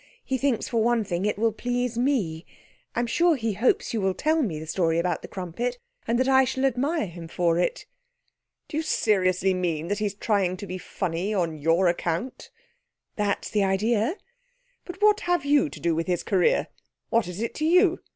He thinks for one thing it will please me. I'm sure he hopes you will tell me the story about the crumpet, and that I shall admire him for it.' 'Do you seriously mean that he's trying to be funny on your account?' 'That's the idea.' 'But what have you to do with his career? What is it to you?